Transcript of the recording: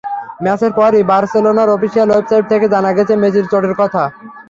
ম্যাচের পরই বার্সেলোনার অফিশিয়াল ওয়েবসাইট থেকে জানা গেছে মেসির চোটের কথা।